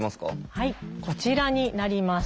はいこちらになります。